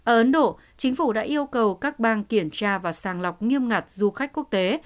ở ấn độ chính phủ đã yêu cầu các bang kiểm tra và sàng lọc nghiêm ngặt du khách quốc tế